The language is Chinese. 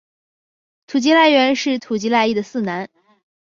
土岐赖元是土岐赖艺的四男。